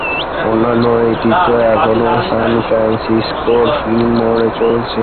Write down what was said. অন্যান্য ঐতিহ্য এখনও সান ফ্রান্সিসকোর ফিলমোরে চলছে।